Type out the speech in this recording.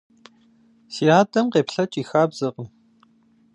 Си адэм къеплъэкӀ и хабзэкъым.